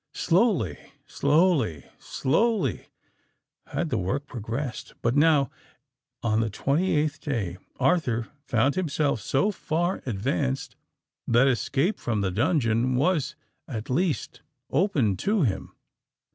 Slowly—slowly—slowly had the work progressed; but now—on the twenty eighth day—Arthur found himself so far advanced that escape from the dungeon was at least open to him.